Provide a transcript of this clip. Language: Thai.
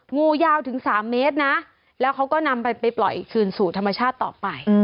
งูยาวถึง๓เมตรนะแล้วเขาก็นำไปปล่อยคืนสู่ธรรมชาติต่อไป